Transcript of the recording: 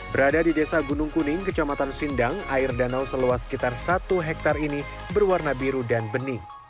berada di desa gunung kuning kecamatan sindang air danau seluas sekitar satu hektare ini berwarna biru dan benih